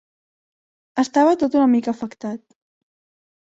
Estava tot una mica afectat.